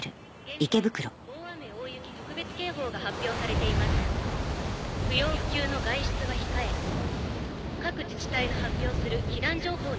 「現在大雨大雪特別警報が発表されています」「不要不急の外出は控え各自治体の発表する避難情報に従ってください」